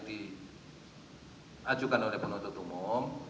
diajukan oleh penuntut umum